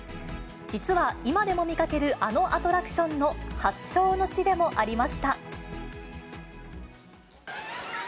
実は、今でも見かけるあのアトラクションの発祥の地でもありました。